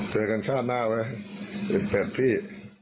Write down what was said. เจอกันชาติหน้าไว้๑๘ปี